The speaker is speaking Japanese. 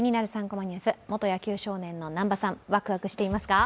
３コマニュース」、元野球少年の南波さん、ワクワクしていますか？